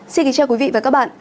xin kính chào quý vị và các bạn